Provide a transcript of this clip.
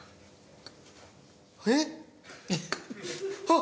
えっ？